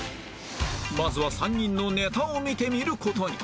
まずは３人のネタを見てみる事に